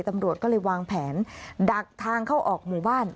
ตำรวจก็เลยวางแผนดักทางเข้าออกหมู่บ้าน